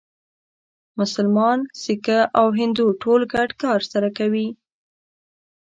مسلمان، سیکه او هندو ټول ګډ کار سره کوي.